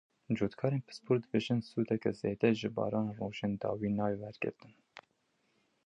Cotkarên pispor dibêjin sûdeke zêde ji barana rojên dawî nayê wergirtin.